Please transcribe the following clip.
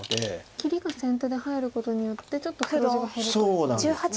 切りが先手で入ることによってちょっと黒地が減るということですね。